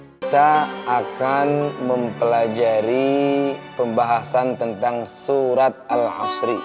kita akan mempelajari pembahasan tentang surat al hasri